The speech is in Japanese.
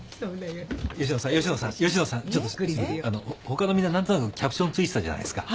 他のみんな何となくキャプション付いてたじゃないですか。